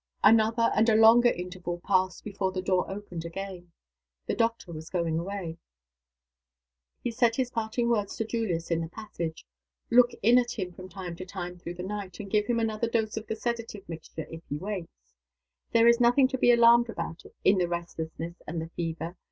Another and a longer interval passed before the door opened again. The doctor was going away. He said his parting words to Julius in the passage. "Look in at him from time to time through the night, and give him another dose of the sedative mixture if he wakes. There is nothing to b e alarmed about in the restlessness and the fever.